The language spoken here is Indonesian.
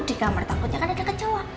di kamar takutnya kan ada kecoak